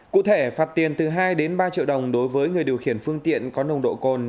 cụ thể phạt tiền từ hai đến ba triệu đồng đối với người điều khiển phương tiện có nồng độ cồn